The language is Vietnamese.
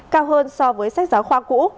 cao hơn so với sách giáo khoa cũ